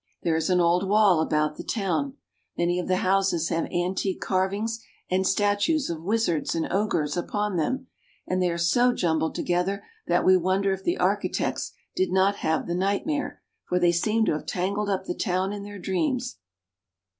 There is an old wall about the town. Many of the houses have antique carv ings and statues of wizards and ogres upon them, and they are so jumbled together that we wonder if the architects did not have the nightmare, for they seem to have tangled up the town in their dreams.